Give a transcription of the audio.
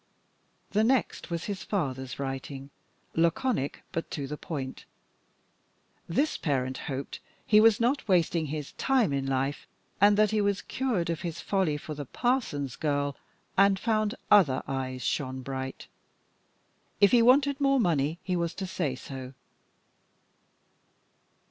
The next was his father's writing. Laconic, but to the point. This parent hoped he was not wasting his time d d short in life! and that he was cured of his folly for the parson's girl, and found other eyes shone bright. If he wanted more money he was to say so.